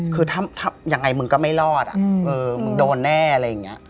คือทำยังไงมึงก็ไม่รอดมึงโดนแน่อะไรอย่างนี้